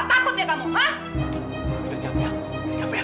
eh diem kamu ya